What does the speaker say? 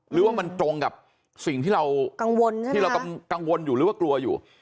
หรือว่ามันตรงกับสิ่งที่เรากังวลใช่ไหมที่เรากังวลอยู่หรือว่ากลัวอยู่